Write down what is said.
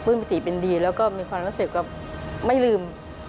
ปิติเป็นดีแล้วก็มีความรู้สึกก็ไม่ลืม